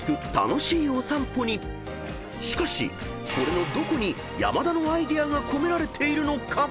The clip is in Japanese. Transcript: ［しかしこれのどこに山田のアイデアが込められているのか？］